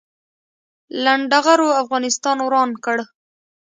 لنډغرو افغانستان وران کړ